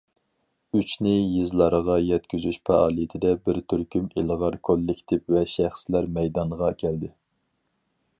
ئۈچنى يېزىلارغا يەتكۈزۈش پائالىيىتىدە بىر تۈركۈم ئىلغار كوللېكتىپ ۋە شەخسلەر مەيدانغا كەلدى.